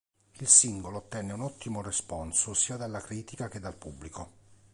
Il singolo ottenne un ottimo responso sia dalla critica che dal pubblico.